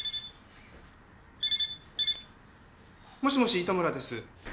もしもし糸村です。